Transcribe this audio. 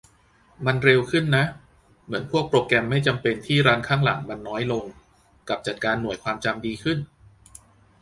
มันเร็วขึ้นนะ เหมือนพวกโปรแกรมไม่จำเป็นที่รันข้างหลังมันน้อยลง กับจัดการหน่วยความจำดีขึ้น